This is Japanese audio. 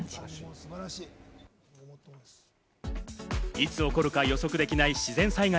いつ起こるか予測できない自然災害。